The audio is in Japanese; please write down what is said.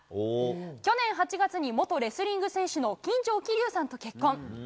去年８月に元レスリング選手の金城希龍さんと結婚。